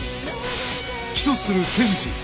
起訴する検事